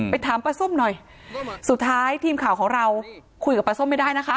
ถามปลาส้มหน่อยสุดท้ายทีมข่าวของเราคุยกับปลาส้มไม่ได้นะคะ